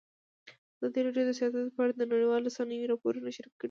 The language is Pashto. ازادي راډیو د سیاست په اړه د نړیوالو رسنیو راپورونه شریک کړي.